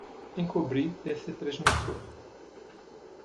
Encobrir esse transmissor!